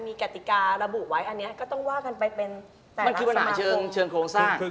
มีกฎิการระบุไว้อันนี้ก็ต้องว่ากันไปเป็นแต่ละสามคน